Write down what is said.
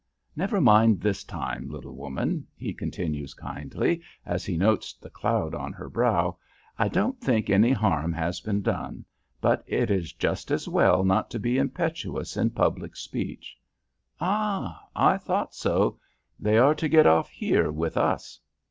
Never mind this time, little woman," he continues, kindly, as he notes the cloud on her brow. "I don't think any harm has been done, but it is just as well not to be impetuous in public speech. Ah! I thought so. They are to get off here with us."